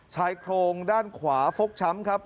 ชายโครงด้านขวาฟกช้ำครับ